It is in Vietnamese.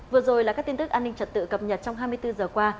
vừa rồi là các tin tức an ninh trật tự cập nhật trong hai mươi bốn giờ qua